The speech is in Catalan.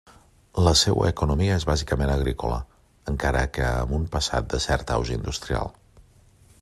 La seua economia és bàsicament agrícola, encara que amb un passat de cert auge industrial.